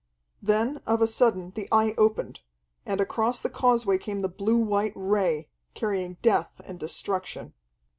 Then of a sudden the Eye opened. And across the causeway came the blue white Ray, carrying death and destruction.